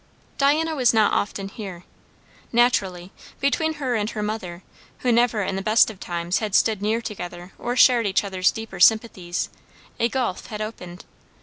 Diana was not often here, naturally; between her and her mother, who never in the best of times had stood near together or shared each other's deeper sympathies, a gulf had opened.